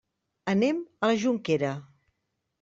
Anem a la Jonquera.